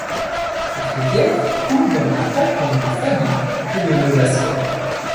Cette rivière coule dans les cantons de Faguy et de Levasseur.